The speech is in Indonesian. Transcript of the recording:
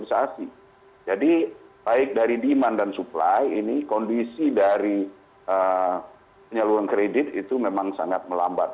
bass genauso merupakanapaasmi internwood such as like a big demand and supply ini kondisi dari penyaluran kredit itu memang sangat melambat